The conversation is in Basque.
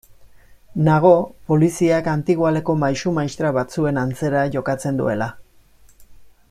Nago poliziak antigoaleko maisu-maistra batzuen antzera jokatzen duela.